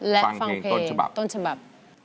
และฟังเพลงต้นฉบับ